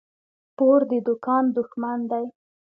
پور د دوکان دښمن دى.